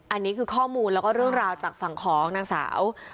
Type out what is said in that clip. อันนี้คือข้อมูลแล้วก็เรื่องราวจากฝั่งของนางสาว